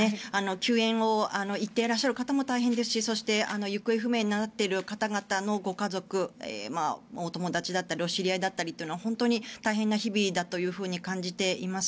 救援に行っていらっしゃる方も大変ですしそして、行方不明になっている方々のご家族お友達だったりお知り合いだったり本当に大変な日々だと感じています。